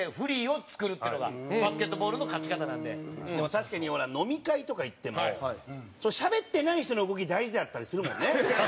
確かに、ほら飲み会とか行ってもしゃべってない人の動き大事だったりするもんね。